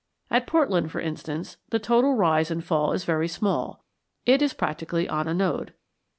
At Portland, for instance, the total rise and fall is very small: it is practically on a node.